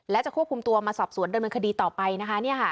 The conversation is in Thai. และจะควบคุมตัวมาสอบสวนดำเนินคดีต่อไปนะคะ